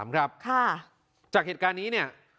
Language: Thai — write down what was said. ๔๑๗๓ครับจากเหตุการณ์นี้เนี่ย